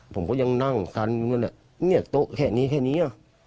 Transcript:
ผมก็ยังนั่งซันเงียบโต๊ะแค่นี้แค่นี้